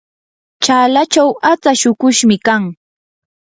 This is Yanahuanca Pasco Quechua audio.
chalachaw atsa shuqushmi kan.